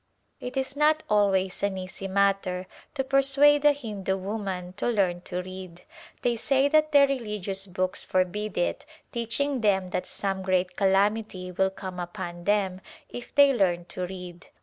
It is not always an easy matter to persuade a Hindu woman to learn to read ; they say that their religious books forbid it, teaching them that some great calam ity will come upon them if they learn to read.